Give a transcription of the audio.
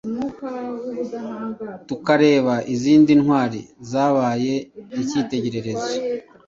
tukareba izindi ntwari zabaye icyitegererezo